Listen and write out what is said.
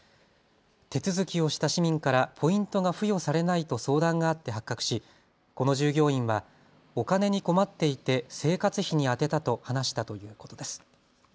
手続きをした市民からポイントが付与されないと相談があって発覚しこの従業員は、お金に困っていて生活費に充てたと話したということです。